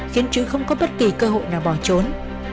khiến chứ không có bất kỳ cơ hội nào bỏ trốn